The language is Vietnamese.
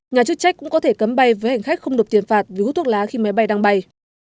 nhà chức trách cũng có thể cấm bay với hành khách không nộp tiền phạt vì hút thuốc lá khi máy bay đang bay